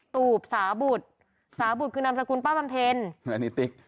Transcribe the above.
ตูบสาบุตรสาบุตรคือนามสกุลป้าบำเพ็ญอันนี้ติ๊ก